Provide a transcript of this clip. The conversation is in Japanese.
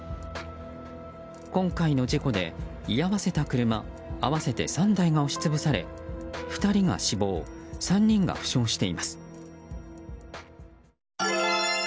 今回の事故で、居合わせた車合わせて３台が押し潰され２人が死亡３人が負傷しています。